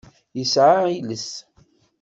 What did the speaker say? Yesɛa iles.